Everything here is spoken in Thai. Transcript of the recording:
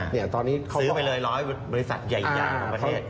ซื้อไปเลย๑๐๐บริษัทใหญ่ของประเทศ